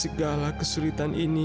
selamat tinggal hari ini